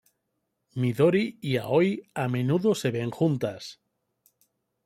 Midori y Aoi a menudo se ven juntas.